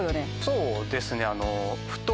そうですねあの。